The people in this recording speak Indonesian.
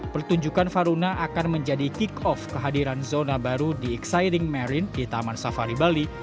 pertunjukan faruna akan menjadi kick off kehadiran zona baru di exiring marine di taman safari bali